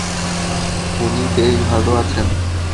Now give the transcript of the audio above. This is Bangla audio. উনি বেশ ভালো আছেন।